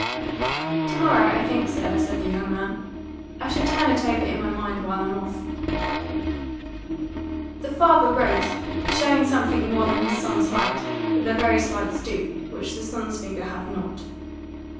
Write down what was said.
"To morrow, I think, sir," said the young man. "I shall turn it over in my mind while I'm off." The father rose, showing something more than his son's height, with a very slight stoop, which the son's figure had not.